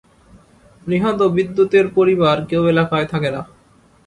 নিহত বিদ্যুতের পরিবার কেউ এলাকায় থাকে না।